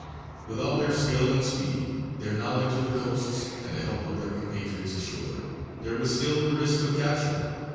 _)] With all their skill and speed, their knowledge of the coasts, and the help of their compatriots ashore, there was still the risk of capture.